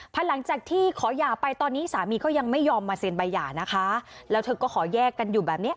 หลังจากที่ขอหย่าไปตอนนี้สามีก็ยังไม่ยอมมาเซ็นใบหย่านะคะแล้วเธอก็ขอแยกกันอยู่แบบเนี้ย